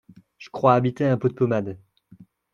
J’ crois habiter un pot d’ pommade.